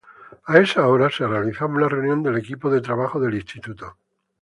A esa hora se realizaba una reunión del equipo de trabajo del instituto.